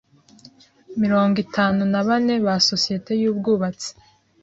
mirongo itanu nabane ba Sosiyete y’Ubwubatsi